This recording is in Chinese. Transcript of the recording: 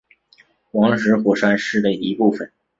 黄石火山是的一部分。